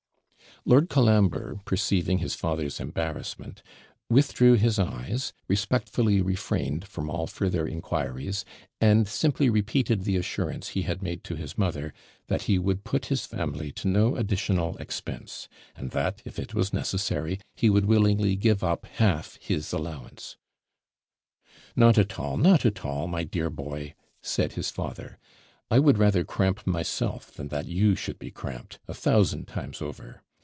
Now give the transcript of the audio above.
Lord Colambre, perceiving his father's embarrassment, withdrew his eyes, respectfully refrained from all further inquiries, and simply repeated the assurance he had made to his mother, that he would put his family to no additional expense; and that, if it was necessary, he would willingly give up half his allowance. 'Not at all not at all, my dear boy,' said his father; 'I would rather cramp myself than that you should be cramped, a thousand times over.